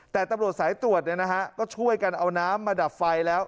แต่ตำรวจสายตรวจเนี่ยนะฮะก็ช่วยกันเอาน้ำมาดับไฟแล้ว